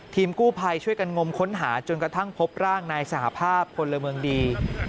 ทีมกู้ภัยช่วยกันงมค้นหาจนกระทั่งพบร่างนายสหภาพพลเมืองดี